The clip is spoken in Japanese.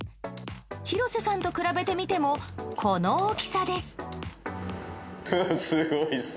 廣瀬さんと比べてみてもこの大きさです。